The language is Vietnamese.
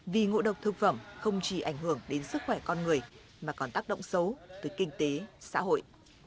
vì ngộ độc thực phẩm không chỉ ảnh hưởng đến sức khỏe con người mà còn tác động xấu tới kinh tế xã hội